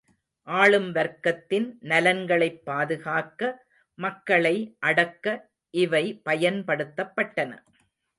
ஆளும் வர்க்கத்தின் நலன்களைப் பாதுகாக்க, மக்களை அடக்க இவை பயன்படுத்தப்பட்டன.